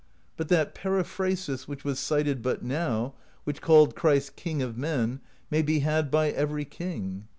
But that periphrasis which was cited but now, which called Christ King of Men, may be had by every king.